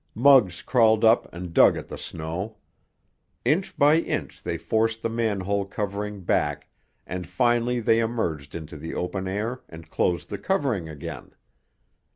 Muggs crawled up and dug at the snow! Inch by inch they forced the manhole covering back, and finally they emerged into the open air and closed the covering again.